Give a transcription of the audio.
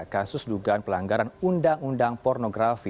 kasus dugaan pelanggaran undang undang pornografi